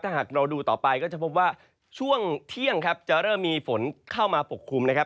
ถ้าหากเราดูต่อไปก็จะพบว่าช่วงเที่ยงครับจะเริ่มมีฝนเข้ามาปกคลุมนะครับ